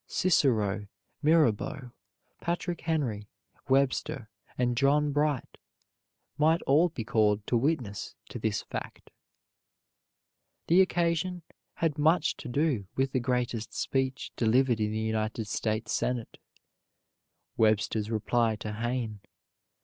Cicero, Mirabeau, Patrick Henry, Webster, and John Bright might all be called to witness to this fact. The occasion had much to do with the greatest speech delivered in the United States Senate Webster's reply to Hayne.